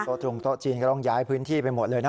ตรงโต๊ะจีนก็ต้องย้ายพื้นที่ไปหมดเลยนะ